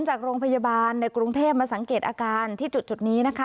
จากโรงพยาบาลในกรุงเทพมาสังเกตอาการที่จุดนี้นะคะ